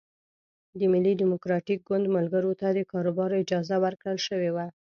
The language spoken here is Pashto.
د ملي ډیموکراتیک ګوند ملګرو ته د کاروبار اجازه ورکړل شوې وه.